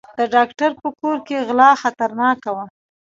د ډاکټر په کور کې غلا خطرناکه وه.